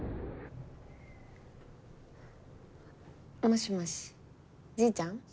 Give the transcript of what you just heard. もしもしじいちゃん？